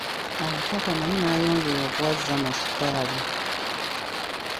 Awo taata naye nayongera okuwa Zama sukaali.